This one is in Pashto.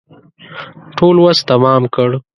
ټول وس تمام کړ.